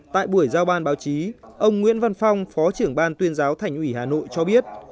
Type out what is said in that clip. tại buổi giao ban báo chí ông nguyễn văn phong phó trưởng ban tuyên giáo thành ủy hà nội cho biết